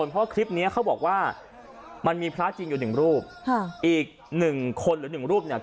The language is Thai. เพราะคลิปเนี้ยเขาบอกว่ามันมีพระจริงอยู่หนึ่งรูปค่ะอีกหนึ่งคนหรือหนึ่งรูปเนี่ย